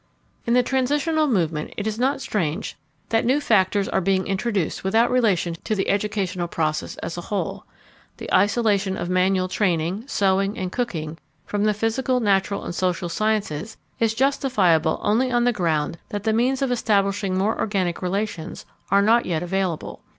In the transitional movement it is not strange that new factors are being introduced without relation to the educational process as a whole. The isolation of manual training, sewing, and cooking from the physical, natural, and social sciences is justifiable only on the ground that the means of establishing more organic relations are not yet available.